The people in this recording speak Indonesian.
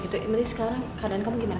yang penting sekarang keadaan kamu gimana